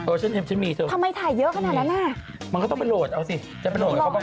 โอ้โหกูไม่ต้องขาดต่อก็ยึ่งกว่า